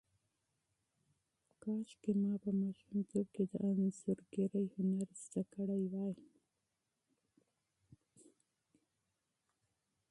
کاشکې ما په ماشومتوب کې د انځورګرۍ هنر زده کړی وای.